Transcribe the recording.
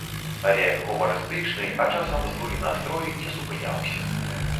Але гумарыстычны, а часам злы настрой не супыняўся.